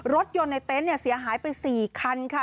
รถยนต์ในเต็นต์เสียหายไป๔คันค่ะ